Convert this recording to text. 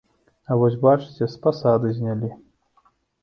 А вось, бачыце, з пасады знялі.